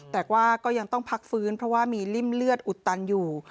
แต่ว่าก็ยังต้องพักฟื้นเพราะว่ามีริ่มเลือดอุดตันอยู่